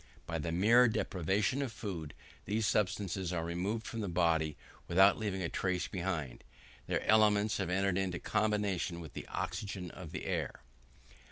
By the mere deprivation of food, these substances are removed from the body without leaving a trace behind; their elements have entered into combination with the oxygen of the air.